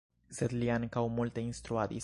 Sed li ankaŭ multe instruadis.